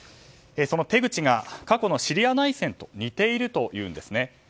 手口が過去のシリア内戦と似ているというんです。